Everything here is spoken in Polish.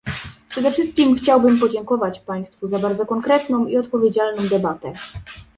Przede wszystkim chciałbym podziękować państwu za bardzo konkretną i odpowiedzialną debatę